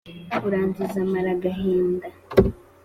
uranzize maragahinda?